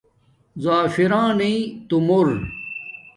زَفرانئ تومݸر